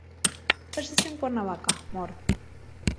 Falleció en Cuernavaca, Mor.